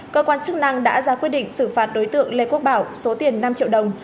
cơ quan chức năng đã ra quyết định xử phạt đối tượng lê quốc bảo số tiền năm triệu đồng